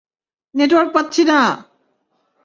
Network পাচ্ছি না!